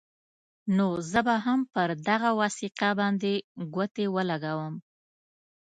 نو زه به هم پر دغه وثیقه باندې ګوتې ولګوم.